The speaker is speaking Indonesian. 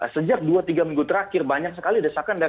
sejak dua tiga minggu terakhir banyak sekali desakan dari ketum kami